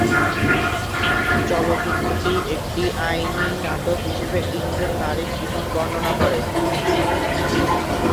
চলচ্চিত্রটি একটি আইনী নাটক হিসাবে তিনজন নারীর জীবন বর্ণনা করে।